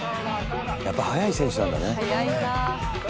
やっぱり速い選手なんだね。